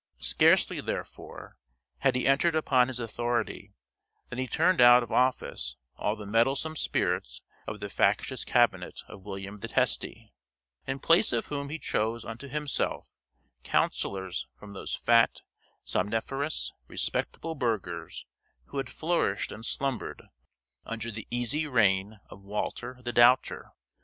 Scarcely, therefore, had he entered upon his authority, than he turned out of office all the meddlesome spirits of the factious cabinet of William the Testy; in place of whom he chose unto himself councillors from those fat, somniferous, respectable burghers who had flourished and slumbered under the easy reign of Walter the Doubter.